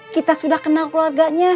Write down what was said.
kita sudah kenal keluarganya